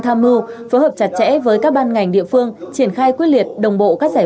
tham mưu phối hợp chặt chẽ với các ban ngành địa phương triển khai quyết liệt đồng bộ các giải